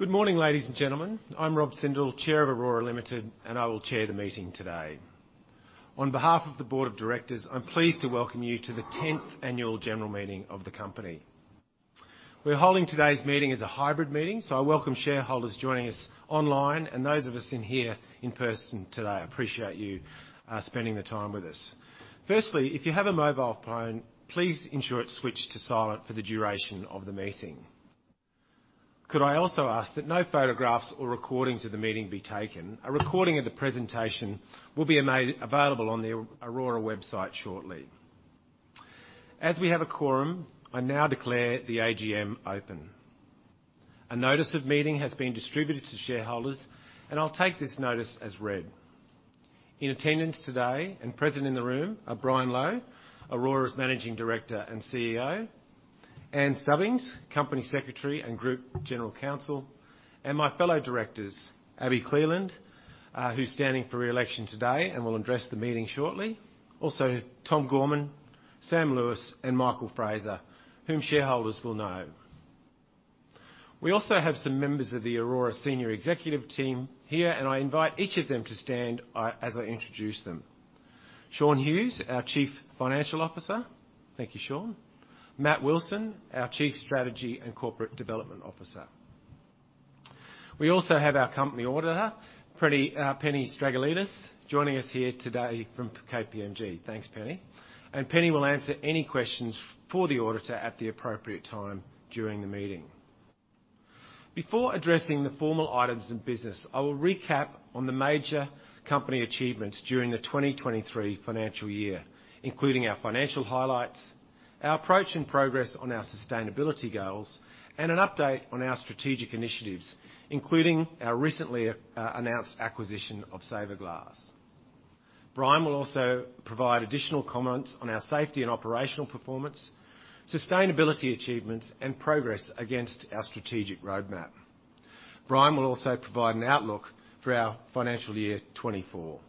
Good morning, ladies and gentlemen. I'm Rob Sindel, Chair of Orora Limited, and I will chair the meeting today. On behalf of the Board of Directors, I'm pleased to welcome you to the tenth Annual General Meeting of the company. We're holding today's meeting as a hybrid meeting, so I welcome shareholders joining us online and those of us in here in person today. I appreciate you, spending the time with us. Firstly, if you have a mobile phone, please ensure it's switched to silent for the duration of the meeting. Could I also ask that no photographs or recordings of the meeting be taken? A recording of the presentation will be made available on the Orora website shortly. As we have a quorum, I now declare the AGM open. A notice of meeting has been distributed to shareholders, and I'll take this notice as read. In attendance today and present in the room are Brian Lowe, Orora's Managing Director and CEO; Ann Stubbings, Company Secretary and Group General Counsel, and my fellow directors, Abi Cleland, who's standing for re-election today and will address the meeting shortly. Also, Tom Gorman, Sam Lewis, and Michael Fraser, whom shareholders will know. We also have some members of the Orora senior executive team here, and I invite each of them to stand as I introduce them. Shaun Hughes, our Chief Financial Officer. Thank you, Shaun. Matt Wilson, our Chief Strategy and Corporate Development Officer. We also have our company auditor, Penny Stragalinos, joining us here today from KPMG. Thanks, Penny. And Penny will answer any questions for the auditor at the appropriate time during the meeting. Before addressing the formal items in business, I will recap on the major company achievements during the 2023 financial year, including our financial highlights, our approach and progress on our sustainability goals, and an update on our strategic initiatives, including our recently announced acquisition of Saverglass. Brian will also provide additional comments on our safety and operational performance, sustainability achievements, and progress against our strategic roadmap. Brian will also provide an outlook for our financial year 2024.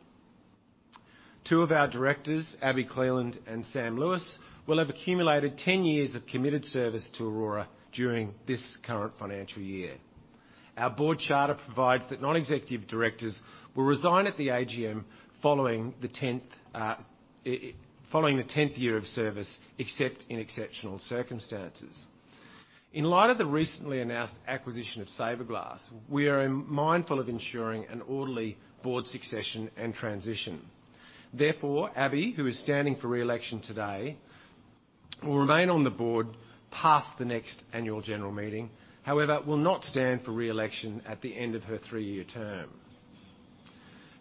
Two of our directors, Abi Cleland and Sam Lewis, will have accumulated 10 years of committed service to Orora during this current financial year. Our board charter provides that non-executive directors will resign at the AGM following the 10th year of service, except in exceptional circumstances. In light of the recently announced acquisition of Saverglass, we are mindful of ensuring an orderly board succession and transition. Therefore, Abi, who is standing for re-election today, will remain on the board past the next annual general meeting. However, will not stand for re-election at the end of her three-year term.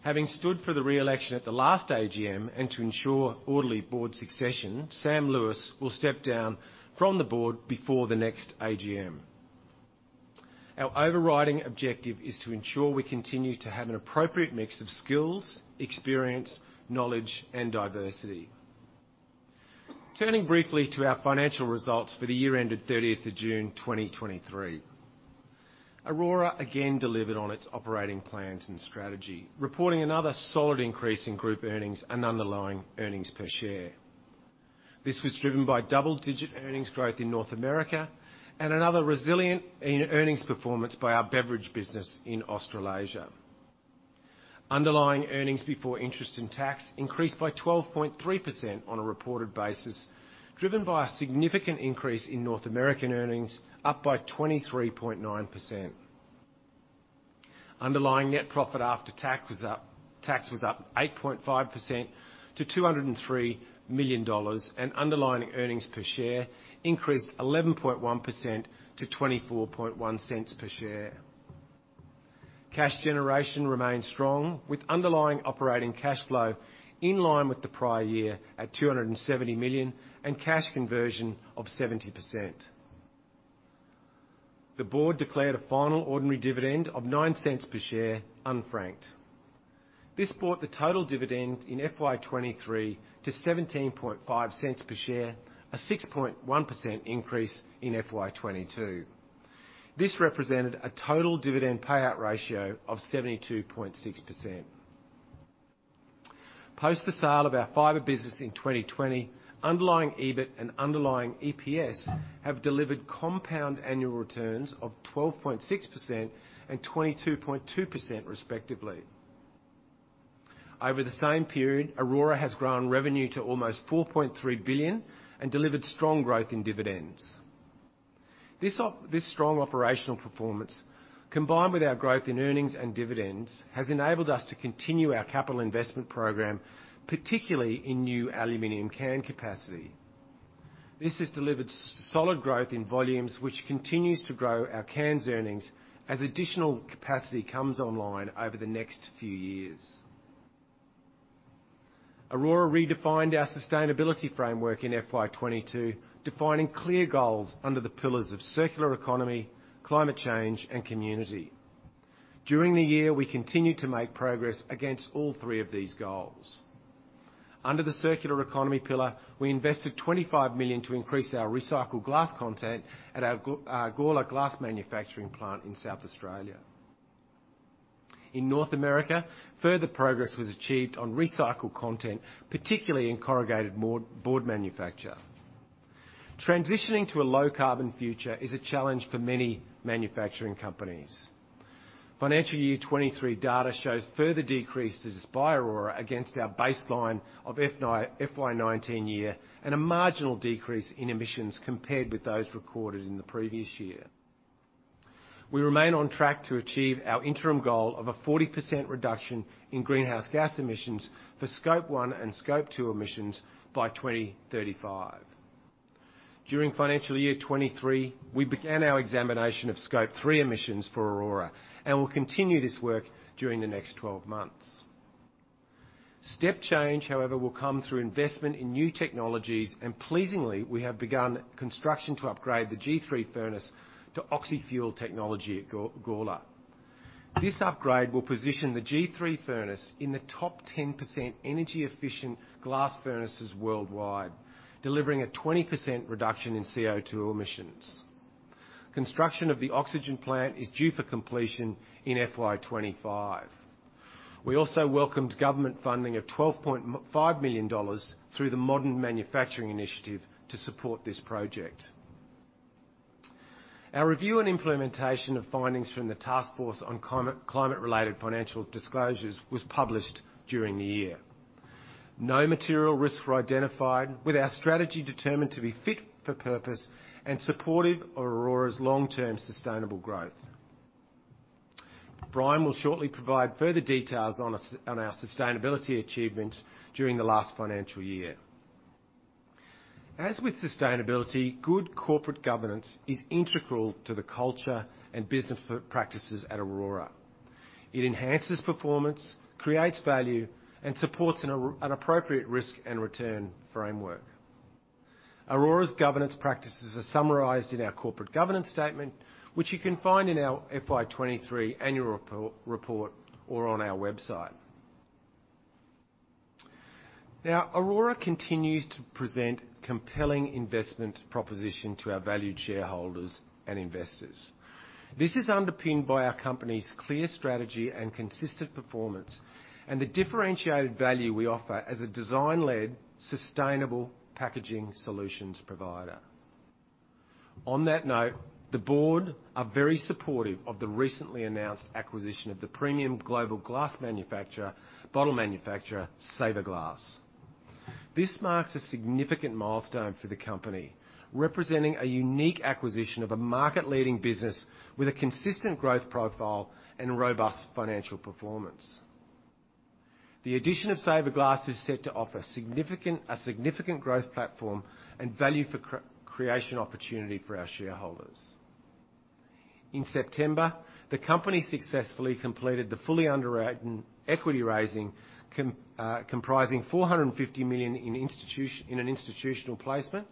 Having stood for the re-election at the last AGM and to ensure orderly board succession, Sam Lewis will step down from the board before the next AGM. Our overriding objective is to ensure we continue to have an appropriate mix of skills, experience, knowledge, and diversity. Turning briefly to our financial results for the year ended June 30th, 2023. Orora again delivered on its operating plans and strategy, reporting another solid increase in group earnings and underlying earnings per share. This was driven by double-digit earnings growth in North America and another resilient in earnings performance by our beverage business in Australasia. Underlying earnings before interest and tax increased by 12.3% on a reported basis, driven by a significant increase in North American earnings, up by 23.9%. Underlying net profit after tax was up 8.5% to AUD 203 million, and underlying earnings per share increased 11.1% to 0.241 per share. Cash generation remains strong, with underlying operating cash flow in line with the prior year at 270 million and cash conversion of 70%. The board declared a final ordinary dividend of 0.09 per share, unfranked. This brought the total dividend in FY 2023 to 0.175 per share, a 6.1% increase in FY 2022. This represented a total dividend payout ratio of 72.6%. Post the sale of our fiber business in 2020, underlying EBIT and underlying EPS have delivered compound annual returns of 12.6% and 22.2% respectively. Over the same period, Orora has grown revenue to almost 4.3 billion and delivered strong growth in dividends. This strong operational performance, combined with our growth in earnings and dividends, has enabled us to continue our capital investment program, particularly in new aluminum can capacity. This has delivered solid growth in volumes, which continues to grow our cans earnings as additional capacity comes online over the next few years. Orora redefined our sustainability framework in FY 2022, defining clear goals under the pillars of circular economy, climate change, and community. During the year, we continued to make progress against all three of these goals. Under the circular economy pillar, we invested 25 million to increase our recycled glass content at our Gawler glass manufacturing plant in South Australia. In North America, further progress was achieved on recycled content, particularly in corrugated board, board manufacture. Transitioning to a low carbon future is a challenge for many manufacturing companies. Financial year 2023 data shows further decreases by Orora against our baseline of FY 2019, and a marginal decrease in emissions compared with those recorded in the previous year. We remain on track to achieve our interim goal of a 40% reduction in greenhouse gas emissions for Scope 1 and Scope 2 emissions by 2035. During financial year 2023, we began our examination of Scope 3 emissions for Orora, and we'll continue this work during the next 12 months. Step change, however, will come through investment in new technologies, and pleasingly, we have begun construction to upgrade the G3 furnace to oxy-fuel technology at Gawler. This upgrade will position the G3 furnace in the top 10% energy efficient glass furnaces worldwide, delivering a 20% reduction in CO2 emissions. Construction of the oxygen plant is due for completion in FY 2025. We also welcomed government funding of 12.5 million dollars through the Modern Manufacturing Initiative to support this project. Our review and implementation of findings from the Task Force on Climate-related Financial Disclosures was published during the year. No material risks were identified, with our strategy determined to be fit for purpose and supportive of Orora's long-term sustainable growth. Brian will shortly provide further details on our sustainability achievements during the last financial year. As with sustainability, good corporate governance is integral to the culture and business practices at Orora. It enhances performance, creates value, and supports an appropriate risk and return framework. Orora's governance practices are summarized in our corporate governance statement, which you can find in our FY 2023 annual report or on our website. Now, Orora continues to present compelling investment proposition to our valued shareholders and investors. This is underpinned by our company's clear strategy and consistent performance, and the differentiated value we offer as a design-led, sustainable packaging solutions provider. On that note, the board are very supportive of the recently announced acquisition of the premium global glass manufacturer, bottle manufacturer, Saverglass. This marks a significant milestone for the company, representing a unique acquisition of a market-leading business with a consistent growth profile and robust financial performance. The addition of Saverglass is set to offer a significant growth platform and value creation opportunity for our shareholders. In September, the company successfully completed the fully underwritten equity raising comprising 450 million in an institutional placement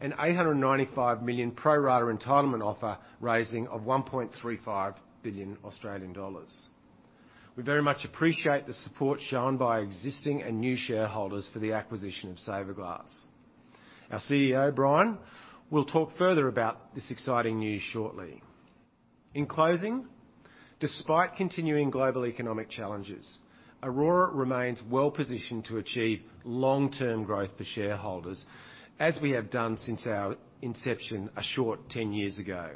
and 895 million pro rata entitlement offer, raising of 1.35 billion Australian dollars. We very much appreciate the support shown by existing and new shareholders for the acquisition of Saverglass. Our CEO, Brian, will talk further about this exciting news shortly. In closing, despite continuing global economic challenges, Orora remains well positioned to achieve long-term growth for shareholders, as we have done since our inception a short 10 years ago.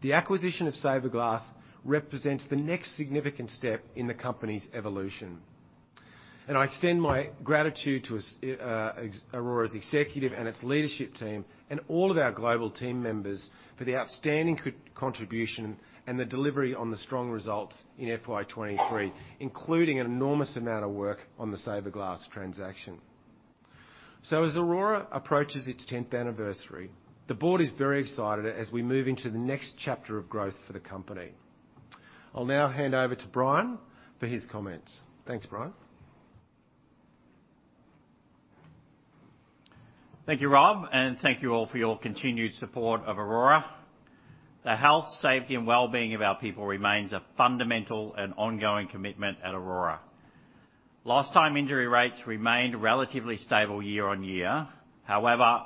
The acquisition of Saverglass represents the next significant step in the company's evolution, and I extend my gratitude to Orora's executive and its leadership team, and all of our global team members for the outstanding contribution and the delivery on the strong results in FY 2023, including an enormous amount of work on the Saverglass transaction. As Orora approaches its tenth anniversary, the board is very excited as we move into the next chapter of growth for the company. I'll now hand over to Brian for his comments. Thanks, Brian. Thank you, Rob, and thank you all for your continued support of Orora. The health, safety, and wellbeing of our people remains a fundamental and ongoing commitment at Orora. Lost time injury rates remained relatively stable year-on-year. However,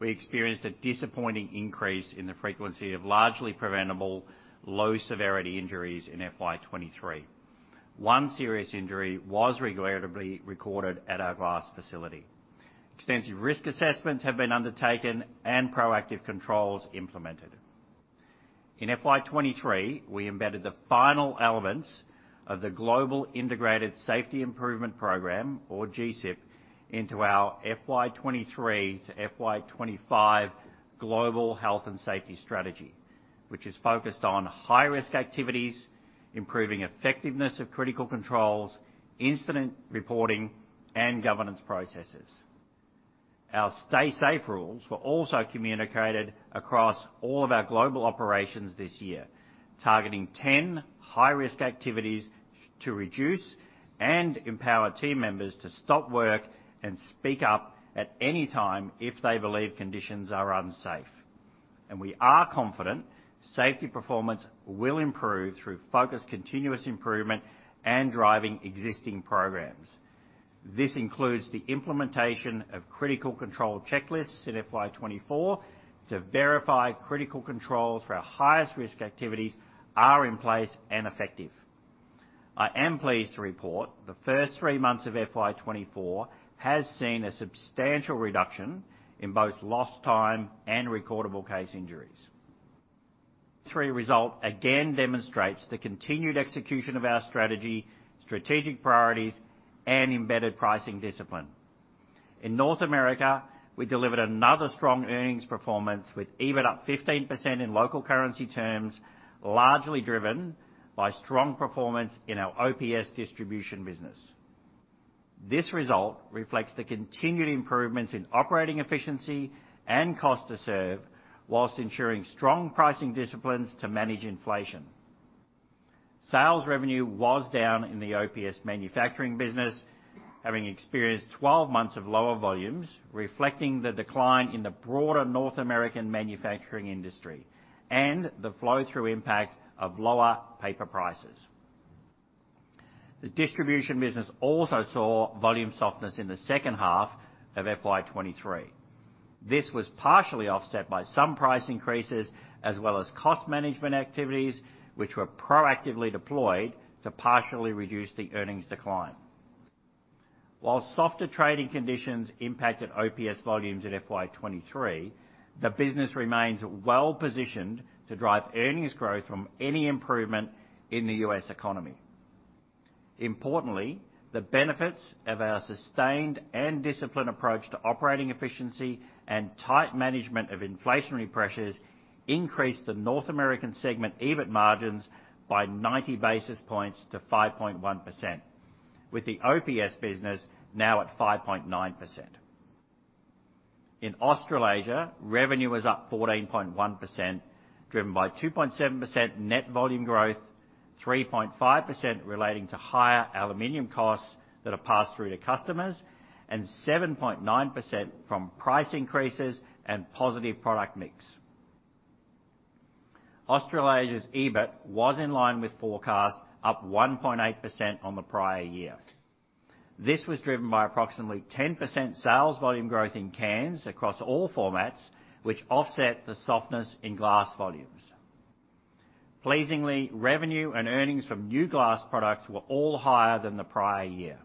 we experienced a disappointing increase in the frequency of largely preventable, low severity injuries in FY 2023. One serious injury was regrettably recorded at our glass facility. Extensive risk assessments have been undertaken and proactive controls implemented. In FY 2023, we embedded the final elements of the Global Integrated Safety Improvement Program, or GISIP, into our FY 2023-FY 2025 global health and safety strategy, which is focused on high-risk activities, improving effectiveness of critical controls, incident reporting, and governance processes. Our Stay Safe rules were also communicated across all of our global operations this year, targeting ten high-risk activities to reduce and empower team members to stop work and speak up at any time if they believe conditions are unsafe. We are confident safety performance will improve through focused, continuous improvement and driving existing programs. This includes the implementation of critical control checklists in FY 2024, to verify critical controls for our highest risk activities are in place and effective. I am pleased to report the first three months of FY 2024 has seen a substantial reduction in both lost time and recordable case injuries. This result again demonstrates the continued execution of our strategy, strategic priorities, and embedded pricing discipline. In North America, we delivered another strong earnings performance, with EBIT up 15% in local currency terms, largely driven by strong performance in our OPS distribution business. This result reflects the continued improvements in operating efficiency and cost to serve, while ensuring strong pricing disciplines to manage inflation. Sales revenue was down in the OPS manufacturing business, having experienced 12 months of lower volumes, reflecting the decline in the broader North American manufacturing industry, and the flow-through impact of lower paper prices. The distribution business also saw volume softness in the second half of FY 2023. This was partially offset by some price increases, as well as cost management activities, which were proactively deployed to partially reduce the earnings decline. While softer trading conditions impacted OPS volumes in FY 2023, the business remains well-positioned to drive earnings growth from any improvement in the U.S. economy. Importantly, the benefits of our sustained and disciplined approach to operating efficiency and tight management of inflationary pressures increased the North American segment EBIT margins by 90 basis points to 5.1%, with the OPS business now at 5.9%. In Australasia, revenue was up 14.1%, driven by 2.7% net volume growth, 3.5% relating to higher aluminum costs that are passed through to customers, and 7.9% from price increases and positive product mix. Australasia's EBIT was in line with forecast, up 1.8% on the prior year. This was driven by approximately 10% sales volume growth in cans across all formats, which offset the softness in glass volumes. Pleasingly, revenue and earnings from new glass products were all higher than the prior year.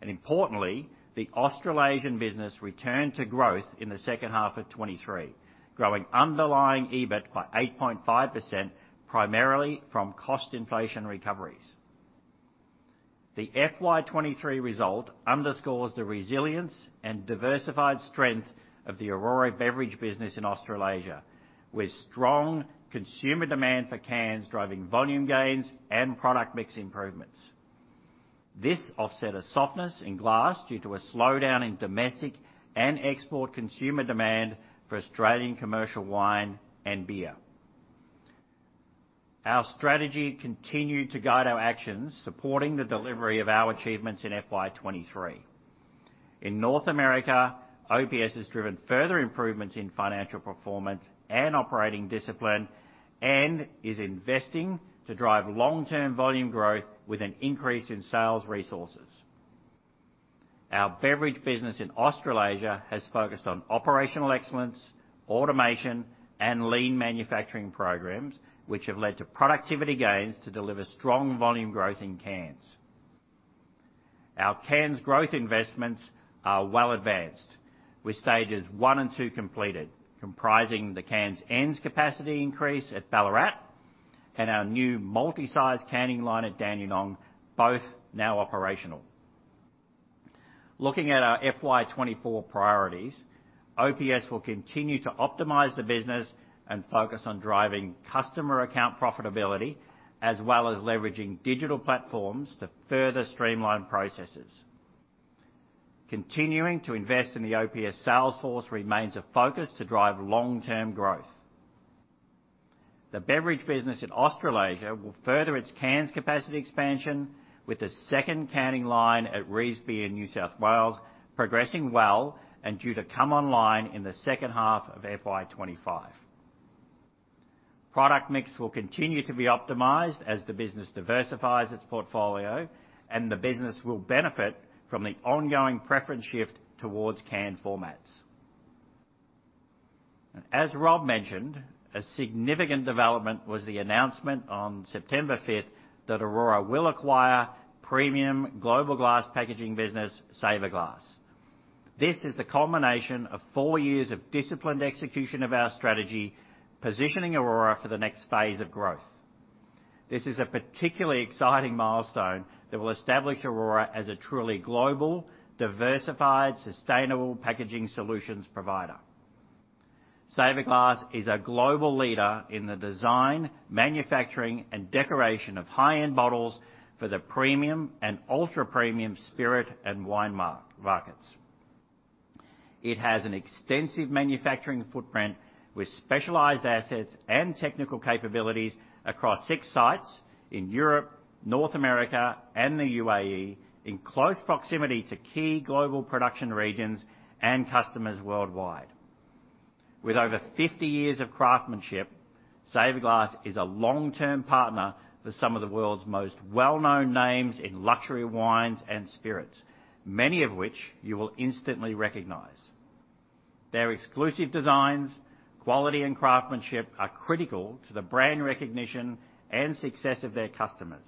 Importantly, the Australasian business returned to growth in the second half of 2023, growing underlying EBIT by 8.5%, primarily from cost inflation recoveries. The FY 2023 result underscores the resilience and diversified strength of the Orora Beverage business in Australasia, with strong consumer demand for cans driving volume gains and product mix improvements. This offset a softness in glass due to a slowdown in domestic and export consumer demand for Australian commercial wine and beer. Our strategy continued to guide our actions, supporting the delivery of our achievements in FY 2023. In North America, OPS has driven further improvements in financial performance and operating discipline, and is investing to drive long-term volume growth with an increase in sales resources. Our beverage business in Australasia has focused on operational excellence, automation, and lean manufacturing programs, which have led to productivity gains to deliver strong volume growth in cans. Our cans growth investments are well advanced, with stages 1 and 2 completed, comprising the cans ends capacity increase at Ballarat, and our new multi-size canning line at Dandenong, both now operational. Looking at our FY 2024 priorities, OPS will continue to optimize the business and focus on driving customer account profitability, as well as leveraging digital platforms to further streamline processes. Continuing to invest in the OPS sales force remains a focus to drive long-term growth. The beverage business in Australasia will further its cans capacity expansion, with the second canning line at Revesby in New South Wales progressing well and due to come online in the second half of FY 2025. Product mix will continue to be optimized as the business diversifies its portfolio, and the business will benefit from the ongoing preference shift towards canned formats. And as Rob mentioned, a significant development was the announcement on September 5th, that Orora will acquire premium global glass packaging business, Saverglass. This is the culmination of four years of disciplined execution of our strategy, positioning Orora for the next phase of growth. This is a particularly exciting milestone that will establish Orora as a truly global, diversified, sustainable packaging solutions provider. Saverglass is a global leader in the design, manufacturing, and decoration of high-end bottles for the premium and ultra-premium spirit and wine markets. It has an extensive manufacturing footprint with specialized assets and technical capabilities across six sites in Europe, North America, and the UAE, in close proximity to key global production regions and customers worldwide.... With over 50 years of craftsmanship, Saverglass is a long-term partner for some of the world's most well-known names in luxury wines and spirits, many of which you will instantly recognize. Their exclusive designs, quality, and craftsmanship are critical to the brand recognition and success of their customers.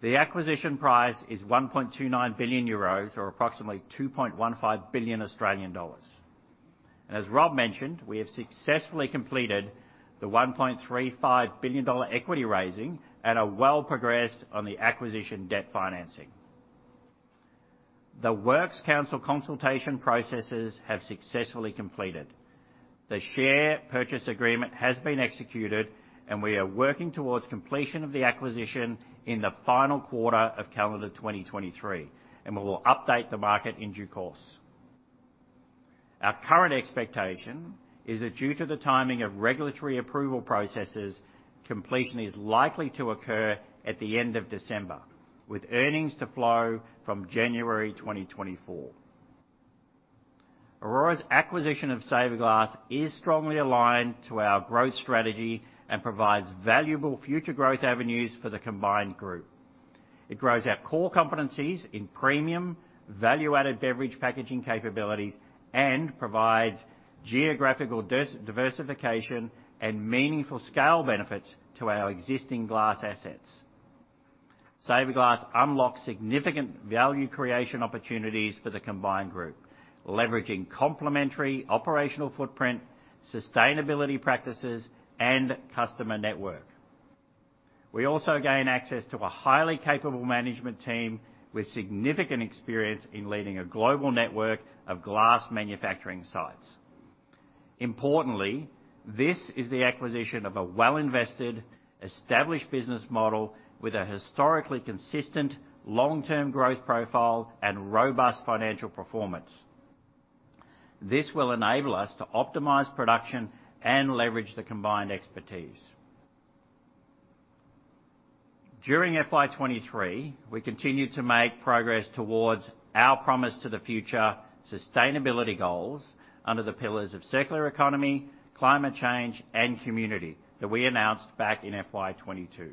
The acquisition price is 1.29 billion euros, or approximately 2.15 billion Australian dollars. As Rob mentioned, we have successfully completed the AUD 1.35 billion equity raising and are well progressed on the acquisition debt financing. The Works Council consultation processes have successfully completed. The share purchase agreement has been executed, and we are working towards completion of the acquisition in the final quarter of calendar 2023, and we will update the market in due course. Our current expectation is that due to the timing of regulatory approval processes, completion is likely to occur at the end of December, with earnings to flow from January 2024. Orora's acquisition of Saverglass is strongly aligned to our growth strategy and provides valuable future growth avenues for the combined group. It grows our core competencies in premium, value-added beverage packaging capabilities and provides geographical diversification and meaningful scale benefits to our existing glass assets. Saverglass unlocks significant value creation opportunities for the combined group, leveraging complementary operational footprint, sustainability practices, and customer network. We also gain access to a highly capable management team with significant experience in leading a global network of glass manufacturing sites. Importantly, this is the acquisition of a well-invested, established business model with a historically consistent long-term growth profile and robust financial performance. This will enable us to optimize production and leverage the combined expertise. During FY 2023, we continued to make progress towards our Promise to the Future sustainability goals under the pillars of circular economy, climate change, and community that we announced back in FY 2022.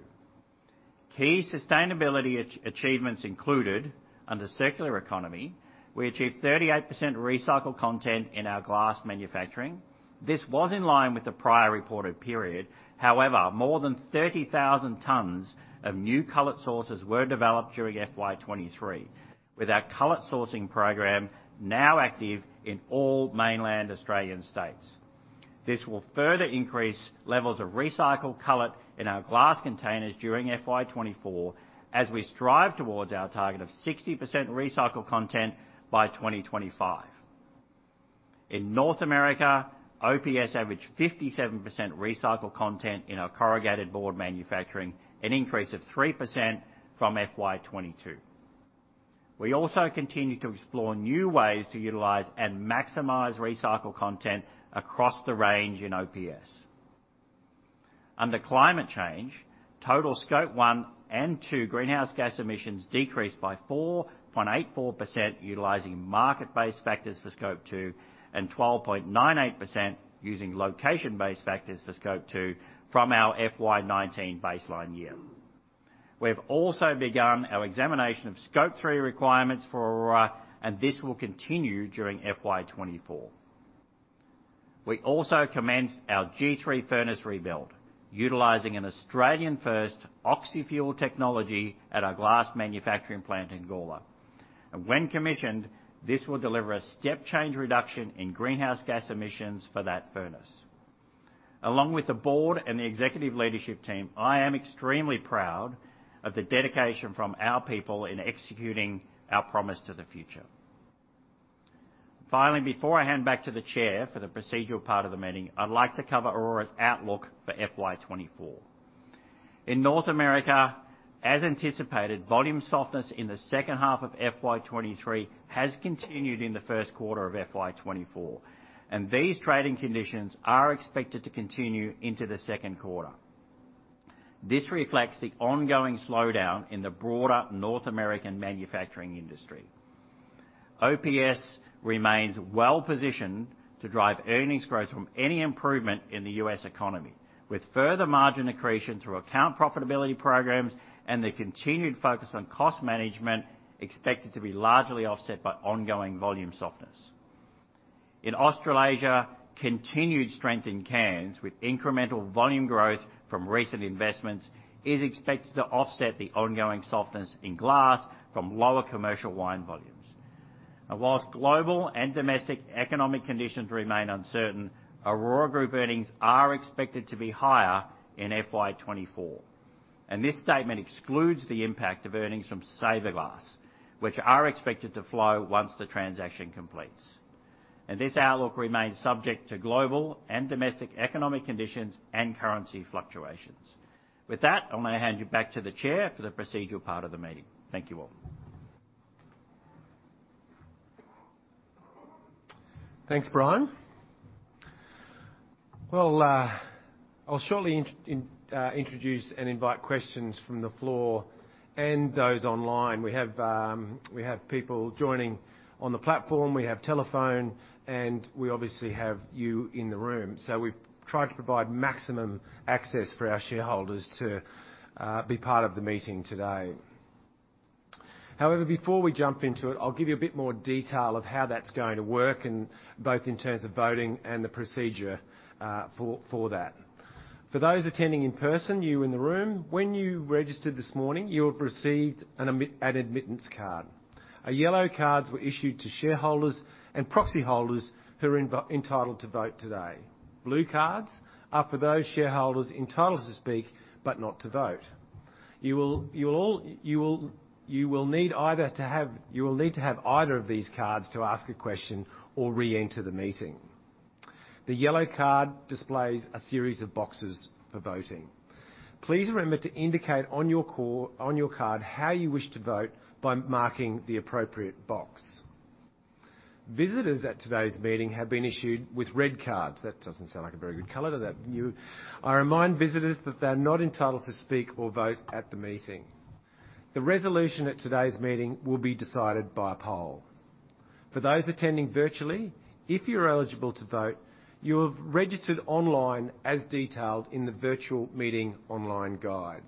Key sustainability achievements included: under circular economy, we achieved 38% recycled content in our glass manufacturing. This was in line with the prior reported period. However, more than 30,000 tons of new cullet sources were developed during FY 2023, with our cullet sourcing program now active in all mainland Australian states. This will further increase levels of recycled cullet in our glass containers during FY 2024, as we strive towards our target of 60% recycled content by 2025. In North America, OPS averaged 57% recycled content in our corrugated board manufacturing, an increase of 3% from FY 2022. We also continued to explore new ways to utilize and maximize recycled content across the range in OPS. Under climate change, total Scope 1 and 2 greenhouse gas emissions decreased by 4.84%, utilizing market-based factors for Scope 2, and 12.98%, using location-based factors for Scope 2 from our FY 2019 baseline year. We have also begun our examination of Scope 3 requirements for Orora, and this will continue during FY 2024. We also commenced our G3 furnace rebuild, utilizing an Australian-first oxy-fuel technology at our glass manufacturing plant in Gawler. When commissioned, this will deliver a step-change reduction in greenhouse gas emissions for that furnace. Along with the board and the executive leadership team, I am extremely proud of the dedication from our people in executing our Promise to the Future. Finally, before I hand back to the Chair for the procedural part of the meeting, I'd like to cover Orora's outlook for FY 2024. In North America, as anticipated, volume softness in the second half of FY 2023 has continued in the first quarter of FY 2024, and these trading conditions are expected to continue into the second quarter. This reflects the ongoing slowdown in the broader North American manufacturing industry. OPS remains well positioned to drive earnings growth from any improvement in the US economy, with further margin accretion through account profitability programs and the continued focus on cost management expected to be largely offset by ongoing volume softness. In Australasia, continued strength in cans with incremental volume growth from recent investments is expected to offset the ongoing softness in glass from lower commercial wine volumes. While global and domestic economic conditions remain uncertain, Orora Group earnings are expected to be higher in FY 2024, and this statement excludes the impact of earnings from Saverglass, which are expected to flow once the transaction completes. This outlook remains subject to global and domestic economic conditions and currency fluctuations. With that, I'm going to hand you back to the Chair for the procedural part of the meeting. Thank you all. Thanks, Brian. Well, I'll shortly introduce and invite questions from the floor and those online. We have people joining on the platform, we have telephone, and we obviously have you in the room. So we've tried to provide maximum access for our shareholders to be part of the meeting today. However, before we jump into it, I'll give you a bit more detail of how that's going to work, and both in terms of voting and the procedure for that. For those attending in person, you in the room, when you registered this morning, you have received an admittance card. Yellow cards were issued to shareholders and proxy holders who are entitled to vote today. Blue cards are for those shareholders entitled to speak, but not to vote. You will all need to have either of these cards to ask a question or reenter the meeting. The yellow card displays a series of boxes for voting. Please remember to indicate on your card how you wish to vote by marking the appropriate box. Visitors at today's meeting have been issued with red cards. That doesn't sound like a very good color, does it? I remind visitors that they're not entitled to speak or vote at the meeting. The resolution at today's meeting will be decided by a poll. For those attending virtually, if you're eligible to vote, you have registered online as detailed in the virtual meeting online guide.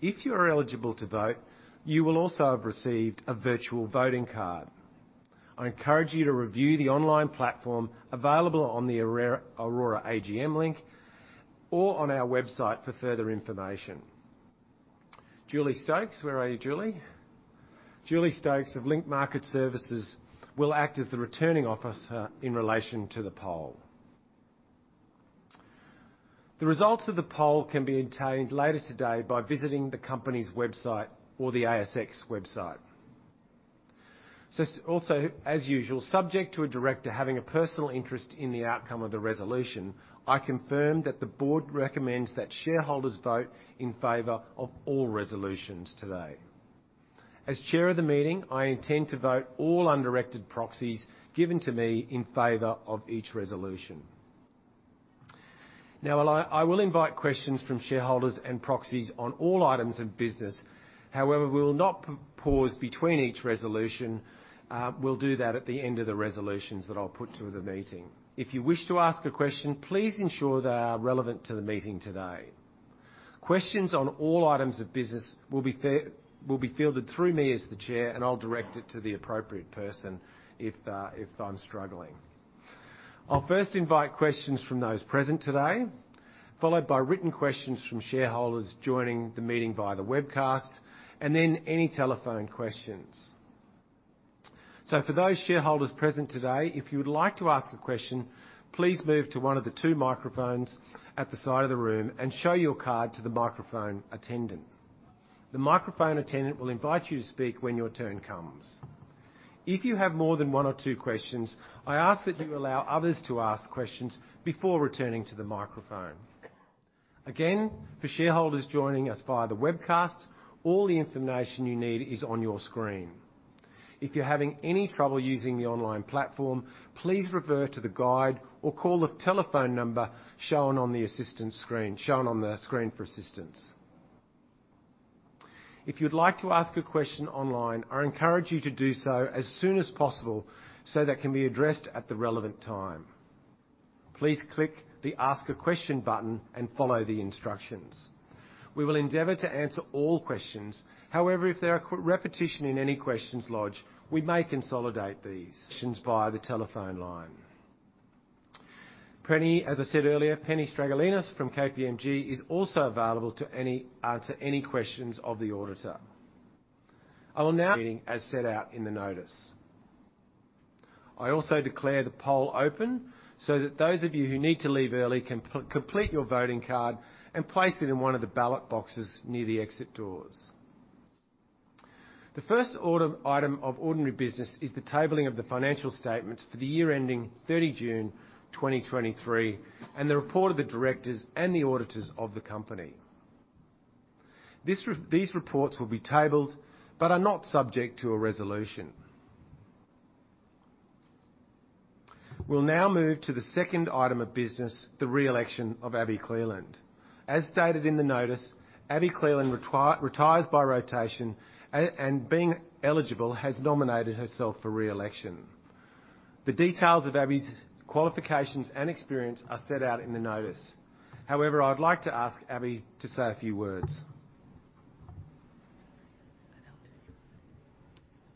If you are eligible to vote, you will also have received a virtual voting card. I encourage you to review the online platform available on the Orora AGM link or on our website for further information. Julie Stokes. Where are you, Julie? Julie Stokes of Link Market Services will act as the Returning Officer in relation to the poll. The results of the poll can be obtained later today by visiting the company's website or the ASX website. So also, as usual, subject to a director having a personal interest in the outcome of the resolution, I confirm that the board recommends that shareholders vote in favor of all resolutions today. As Chair of the meeting, I intend to vote all undirected proxies given to me in favor of each resolution. Now, I will invite questions from shareholders and proxies on all items of business. However, we will not pause between each resolution. We'll do that at the end of the resolutions that I'll put to the meeting. If you wish to ask a question, please ensure they are relevant to the meeting today. Questions on all items of business will be fielded through me as the chair, and I'll direct it to the appropriate person if, if I'm struggling. I'll first invite questions from those present today, followed by written questions from shareholders joining the meeting via the webcast, and then any telephone questions. So for those shareholders present today, if you would like to ask a question, please move to one of the two microphones at the side of the room and show your card to the microphone attendant. The microphone attendant will invite you to speak when your turn comes. If you have more than one or two questions, I ask that you allow others to ask questions before returning to the microphone. Again, for shareholders joining us via the webcast, all the information you need is on your screen. If you're having any trouble using the online platform, please refer to the guide or call the telephone number shown on the assistance screen, shown on the screen for assistance. If you'd like to ask a question online, I encourage you to do so as soon as possible so that it can be addressed at the relevant time. Please click the Ask a Question button and follow the instructions. We will endeavor to answer all questions. However, if there is repetition in any questions lodged, we may consolidate these questions via the telephone line. Penny, as I said earlier, Penny Stragalinos from KPMG is also available to answer any questions of the auditor. I will now, meeting as set out in the notice. I also declare the poll open, so that those of you who need to leave early can complete your voting card and place it in one of the ballot boxes near the exit doors. The first item of ordinary business is the tabling of the financial statements for the year ending June 30, 2023, and the report of the directors and the auditors of the company. These reports will be tabled but are not subject to a resolution. We'll now move to the second item of business, the re-election of Abi Cleland. As stated in the notice, Abi Cleland retires by rotation and being eligible, has nominated herself for re-election. The details of Abi's qualifications and experience are set out in the notice. However, I'd like to ask Abi to say a few words.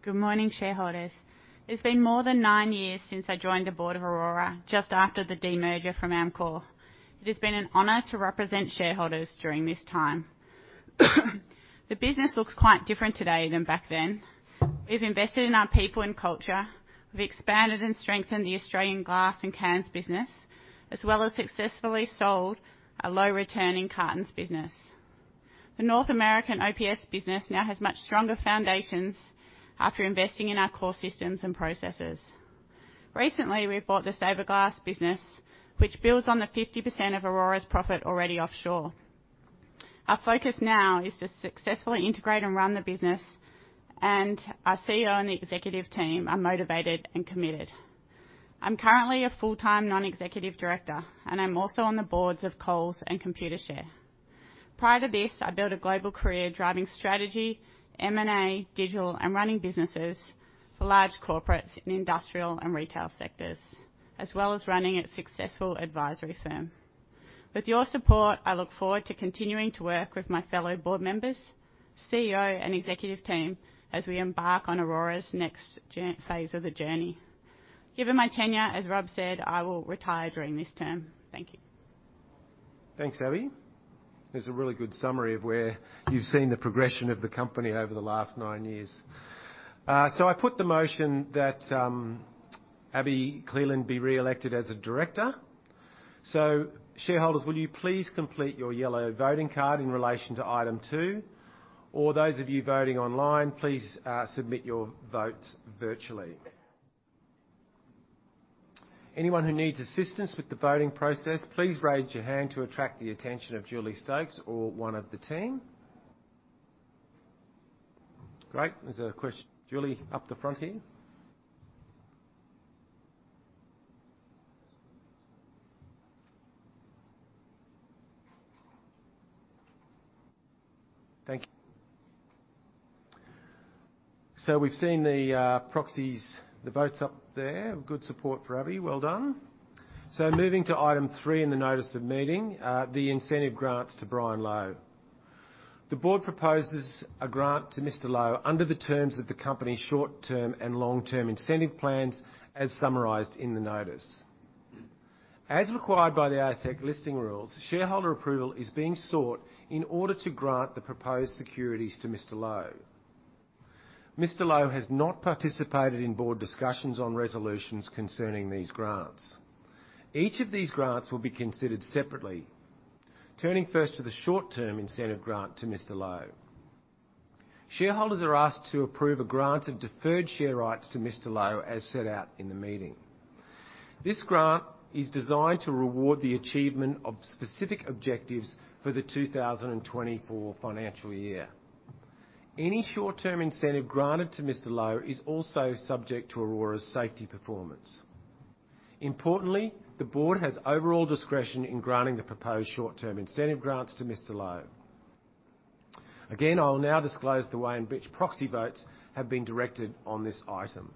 Good morning, shareholders. It's been more than nine years since I joined the board of Orora, just after the demerger from Amcor. It has been an honor to represent shareholders during this time. The business looks quite different today than back then. We've invested in our people and culture. We've expanded and strengthened the Australian glass and cans business, as well as successfully sold a low-returning cartons business. The North American OPS business now has much stronger foundations after investing in our core systems and processes. Recently, we bought the Saverglass business, which builds on the 50% of Orora's profit already offshore. Our focus now is to successfully integrate and run the business, and our CEO and the executive team are motivated and committed. I'm currently a full-time non-executive director, and I'm also on the boards of Coles and Computershare. Prior to this, I built a global career driving strategy, M&A, digital, and running businesses for large corporates in industrial and retail sectors, as well as running a successful advisory firm. With your support, I look forward to continuing to work with my fellow board members, CEO, and executive team as we embark on Orora's next-gen phase of the journey. Given my tenure, as Rob said, I will retire during this term. Thank you. Thanks, Abi. It's a really good summary of where you've seen the progression of the company over the last 9 years. So I put the motion that Abi Cleland be reelected as a director. So shareholders, will you please complete your yellow voting card in relation to item 2, or those of you voting online, please submit your votes virtually. Anyone who needs assistance with the voting process, please raise your hand to attract the attention of Julie Stokes or one of the team. Great. Julie, up the front here. Thank you. So we've seen the proxies, the votes up there. Good support for Abi. Well done. So moving to item 3 in the notice of meeting, the incentive grants to Brian Lowe. The board proposes a grant to Mr. Lowe under the terms of the company's short-term and long-term incentive plans, as summarized in the notice. As required by the ASIC listing rules, shareholder approval is being sought in order to grant the proposed securities to Mr. Lowe. Mr. Lowe has not participated in board discussions on resolutions concerning these grants. Each of these grants will be considered separately. Turning first to the short-term incentive grant to Mr. Lowe. Shareholders are asked to approve a grant of deferred share rights to Mr. Lowe, as set out in the meeting. This grant is designed to reward the achievement of specific objectives for the 2024 financial year. Any short-term incentive granted to Mr. Lowe is also subject to Orora's safety performance. Importantly, the board has overall discretion in granting the proposed short-term incentive grants to Mr. Lowe. Again, I'll now disclose the way in which proxy votes have been directed on this item.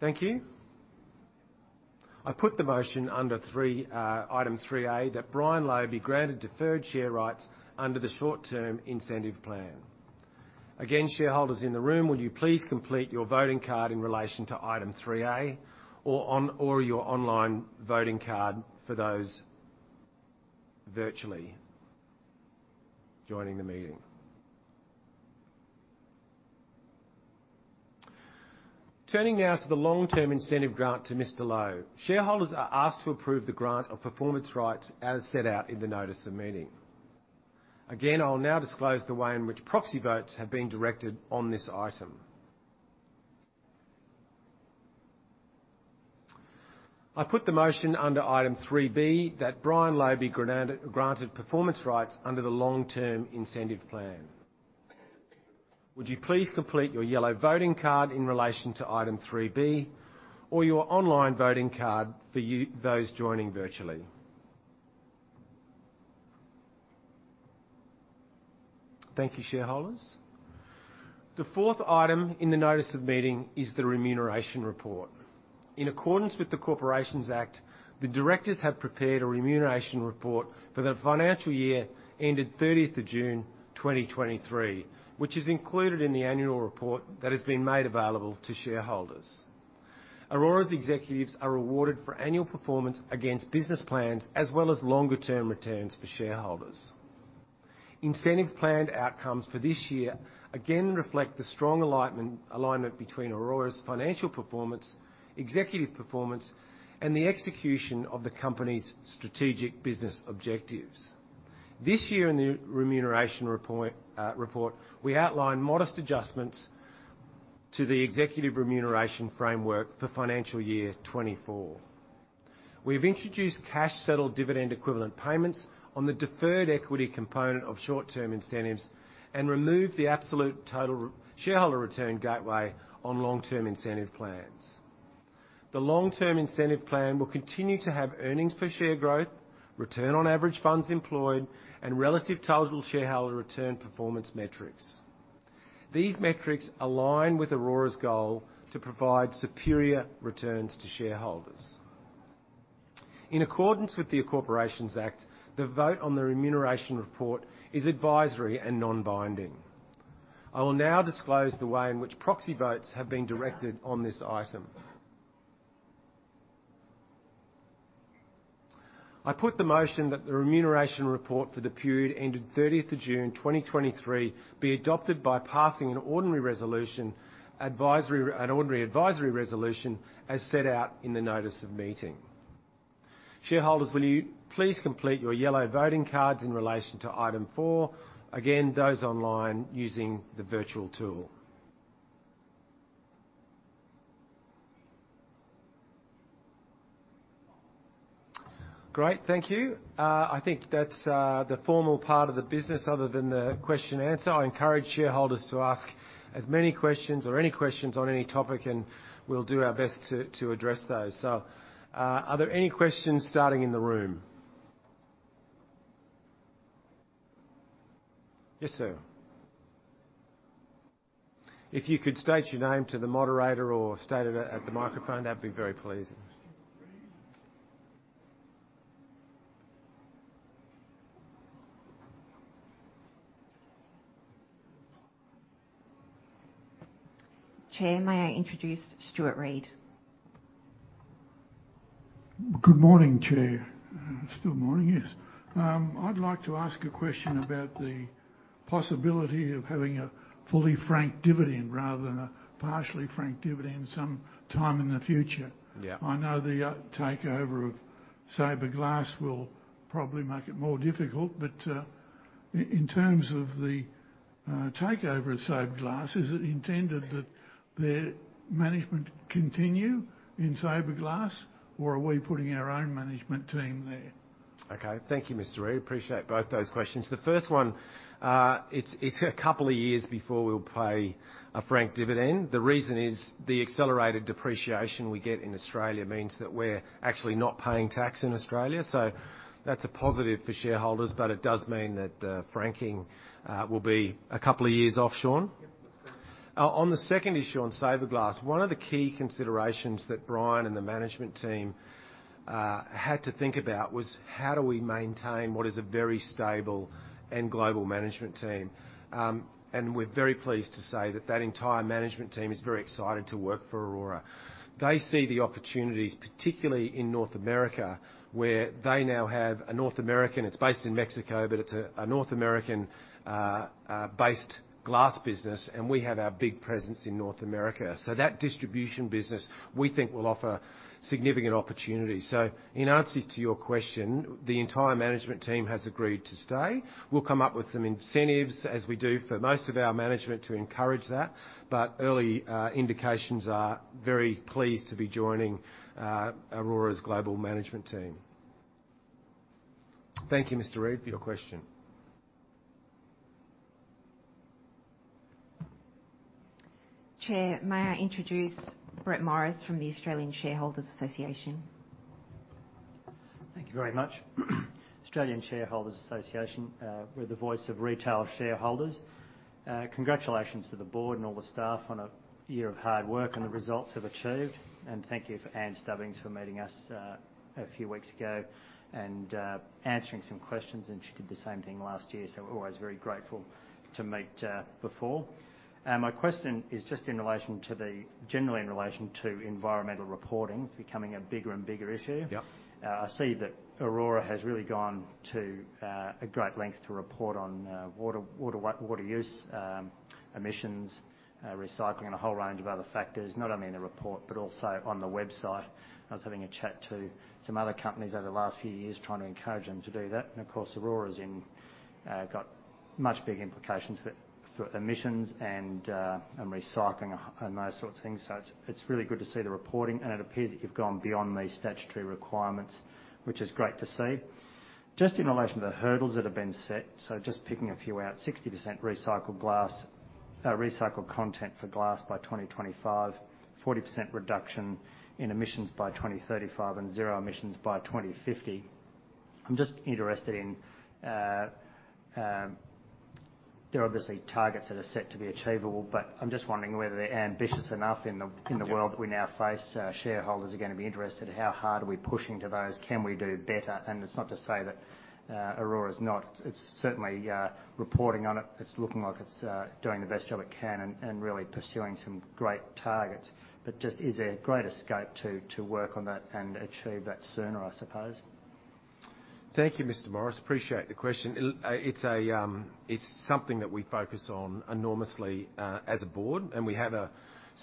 Thank you. I put the motion under three, item 3A, that Brian Lowe be granted deferred share rights under the short-term incentive plan. Again, shareholders in the room, will you please complete your voting card in relation to item 3A, or on your online voting card for those virtually joining the meeting? Turning now to the long-term incentive grant to Mr. Lowe. Shareholders are asked to approve the grant of performance rights as set out in the notice of meeting. Again, I'll now disclose the way in which proxy votes have been directed on this item. I put the motion under item 3B, that Brian Lowe be granted performance rights under the long-term incentive plan. Would you please complete your yellow voting card in relation to item 3B, or your online voting card for you, those joining virtually? Thank you, shareholders. The fourth item in the notice of meeting is the remuneration report. In accordance with the Corporations Act, the directors have prepared a remuneration report for the financial year ended June 30th, 2023, which is included in the annual report that has been made available to shareholders. Orora's executives are rewarded for annual performance against business plans, as well as longer term returns for shareholders. Incentive planned outcomes for this year again reflect the strong alignment between Orora's financial performance, executive performance, and the execution of the company's strategic business objectives. This year in the remuneration report, we outlined modest adjustments to the executive remuneration framework for financial year 2024. We've introduced cash-settled dividend equivalent payments on the deferred equity component of short-term incentives and removed the absolute total shareholder return gateway on long-term incentive plans. The long-term incentive plan will continue to have earnings per share growth, return on average funds employed, and relative total shareholder return performance metrics. These metrics align with Orora's goal to provide superior returns to shareholders. In accordance with the Corporations Act, the vote on the remuneration report is advisory and non-binding. I will now disclose the way in which proxy votes have been directed on this item. I put the motion that the remuneration report for the period ended June 30th, 2023, be adopted by passing an ordinary resolution, an ordinary advisory resolution, as set out in the notice of meeting. Shareholders, will you please complete your yellow voting cards in relation to item four? Again, those online using the virtual tool. Great, thank you. I think that's the formal part of the business other than the question and answer. I encourage shareholders to ask as many questions or any questions on any topic, and we'll do our best to address those. So, are there any questions starting in the room? Yes, sir. If you could state your name to the moderator or state it at the microphone, that'd be very pleasing. Chair, may I introduce Stuart Reid? Good morning, Chair. Still morning, yes. I'd like to ask a question about the possibility of having a fully franked dividend rather than a partially franked dividend some time in the future. Yeah. I know the takeover of Saverglass will probably make it more difficult, but in terms of the takeover of Saverglass, is it intended that their management continue in Saverglass, or are we putting our own management team there? Okay. Thank you, Mr. Reid. Appreciate both those questions. The first one, it's a couple of years before we'll pay a franked dividend. The reason is, the accelerated depreciation we get in Australia means that we're actually not paying tax in Australia, so that's a positive for shareholders, but it does mean that, franking will be a couple of years off, Shaun. Yep. On the second issue, on Saverglass, one of the key considerations that Brian and the management team had to think about was: how do we maintain what is a very stable and global management team? And we're very pleased to say that that entire management team is very excited to work for Orora. They see the opportunities, particularly in North America, where they now have a North American... It's based in Mexico, but it's a North American based glass business, and we have our big presence in North America. So that distribution business, we think will offer significant opportunities. In answer to your question, the entire management team has agreed to stay. We'll come up with some incentives, as we do for most of our management, to encourage that. Early indications are very pleased to be joining Orora's global management team. Thank you, Mr. Reid, for your question. Chair, may I introduce Brett Morris from the Australian Shareholders Association? Thank you very much. Australian Shareholders Association, we're the voice of retail shareholders. Congratulations to the board and all the staff on a year of hard work and the results you have achieved. And thank you for Ann Stubbings for meeting us a few weeks ago and answering some questions, and she did the same thing last year, so we're always very grateful to meet before. My question is just in relation to the... Generally in relation to environmental reporting becoming a bigger and bigger issue. Yeah. I see that Orora has really gone to a great length to report on water use, emissions, recycling, and a whole range of other factors, not only in the report, but also on the website. I was having a chat to some other companies over the last few years, trying to encourage them to do that, and of course, Orora's got much bigger implications for emissions and recycling, and those sorts of things. So it's really good to see the reporting, and it appears that you've gone beyond the statutory requirements, which is great to see. Just in relation to the hurdles that have been set, so just picking a few out, 60% recycled glass, recycled content for glass by 2025, 40% reduction in emissions by 2035, and zero emissions by 2050. I'm just interested in... They're obviously targets that are set to be achievable, but I'm just wondering whether they're ambitious enough in the- Yeah... in the world we now face. Shareholders are gonna be interested, how hard are we pushing to those? Can we do better? And it's not to say that Orora is not. It's certainly reporting on it. It's looking like it's doing the best job it can and really pursuing some great targets. But just, is there greater scope to work on that and achieve that sooner, I suppose? Thank you, Mr. Morris. Appreciate the question. It's something that we focus on enormously as a board, and we have a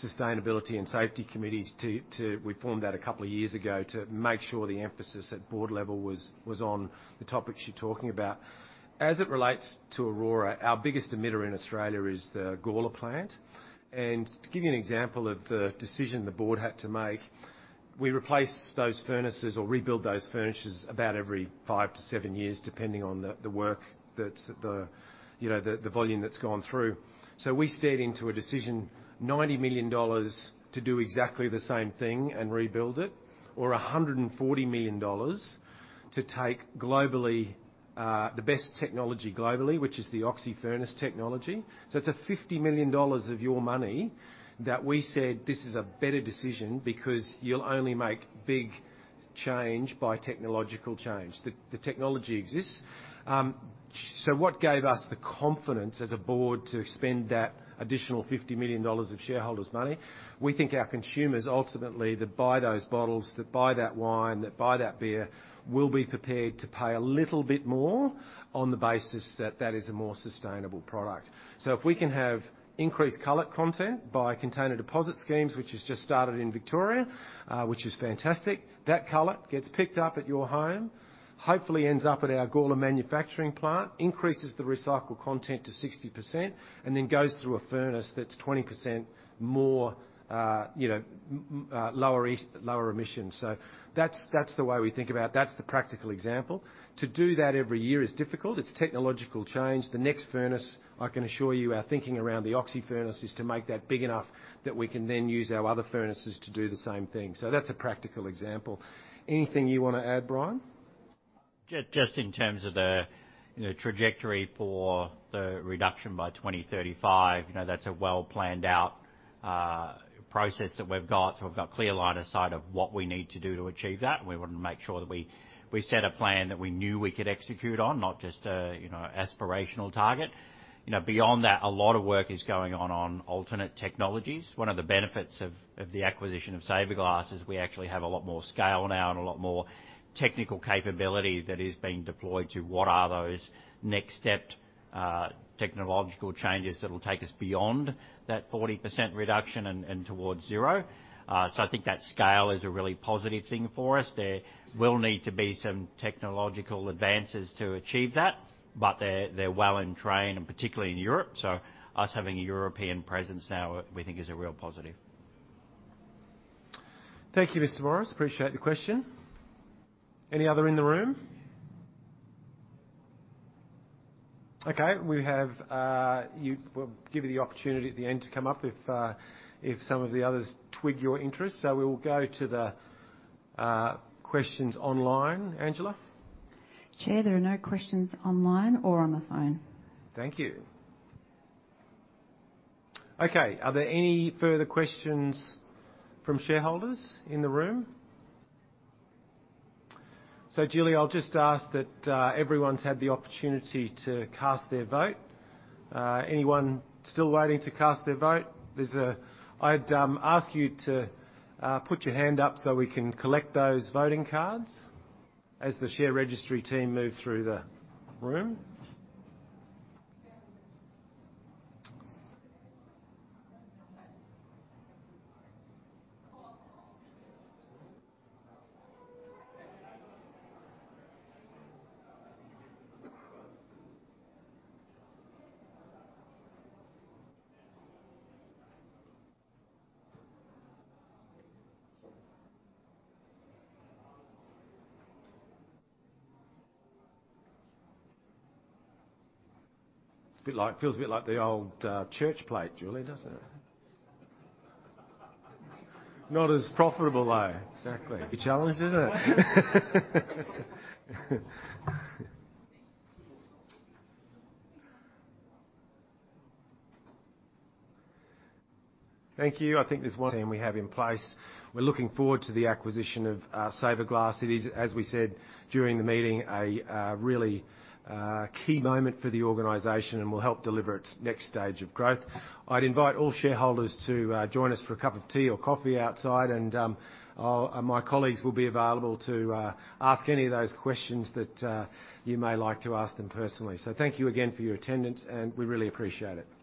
sustainability and safety committees to... We formed that a couple of years ago to make sure the emphasis at board level was on the topics you're talking about. As it relates to Orora, our biggest emitter in Australia is the Gawler plant, and to give you an example of the decision the board had to make, we replace those furnaces or rebuild those furnaces about every five to seven years, depending on the work that's, you know, the volume that's gone through. So we stared into a decision, 90 million dollars to do exactly the same thing and rebuild it, or 140 million dollars to take globally, the best technology globally, which is the oxy-fuel technology. So it's 50 million dollars of your money that we said, "This is a better decision because you'll only make big..."... change by technological change. The, the technology exists. So what gave us the confidence as a board to spend that additional 50 million dollars of shareholders' money? We think our consumers, ultimately, that buy those bottles, that buy that wine, that buy that beer, will be prepared to pay a little bit more on the basis that that is a more sustainable product. So if we can have increased cullet content by container deposit schemes, which has just started in Victoria, which is fantastic, that cullet gets picked up at your home, hopefully ends up at our Gawler manufacturing plant, increases the recycled content to 60%, and then goes through a furnace that's 20% more, you know, lower emissions. So that's the way we think about it. That's the practical example. To do that every year is difficult. It's technological change. The next furnace, I can assure you, our thinking around the oxyfurnace is to make that big enough that we can then use our other furnaces to do the same thing. So that's a practical example. Anything you wanna add, Brian? Just, just in terms of the, you know, trajectory for the reduction by 2035, you know, that's a well-planned-out process that we've got. So we've got clear line of sight of what we need to do to achieve that, and we want to make sure that we, we set a plan that we knew we could execute on, not just a, you know, aspirational target. You know, beyond that, a lot of work is going on alternate technologies. One of the benefits of the acquisition of Saverglass is we actually have a lot more scale now and a lot more technical capability that is being deployed to what are those next step technological changes that'll take us beyond that 40% reduction and towards zero. So I think that scale is a really positive thing for us. There will need to be some technological advances to achieve that, but they're well in train, and particularly in Europe, so us having a European presence now, we think is a real positive. Thank you, Mr. Morris. Appreciate the question. Any other in the room? Okay, we have you. We'll give you the opportunity at the end to come up if some of the others twig your interest. So we will go to the questions online. Angela? Chair, there are no questions online or on the phone. Thank you. Okay, are there any further questions from shareholders in the room? So Julie, I'll just ask that everyone's had the opportunity to cast their vote. Anyone still waiting to cast their vote, there's a-- I'd ask you to put your hand up so we can collect those voting cards as the share registry team move through the room. It feels a bit like the old church plate, Julie, doesn't it? Not as profitable, though. Exactly. A challenge, is it? Thank you. I think there's one team we have in place. We're looking forward to the acquisition of Saverglass. It is, as we said, during the meeting, a really key moment for the organization and will help deliver its next stage of growth. I'd invite all shareholders to join us for a cup of tea or coffee outside, and my colleagues will be available to ask any of those questions that you may like to ask them personally. So thank you again for your attendance, and we really appreciate it.